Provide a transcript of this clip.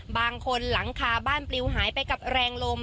บางคนหลังคาบ้านปลิวหายไปกับแรงลม